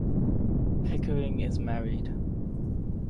Pickering is married.